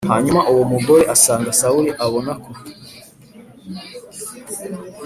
Hanyuma uwo mugore asanga Sawuli abona ko